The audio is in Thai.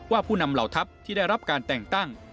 ผู้นำเหล่าทัพที่ได้รับการแต่งตั้ง